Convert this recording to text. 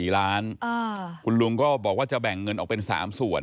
๔ล้านคุณลุงก็บอกว่าจะแบ่งเงินออกเป็น๓ส่วน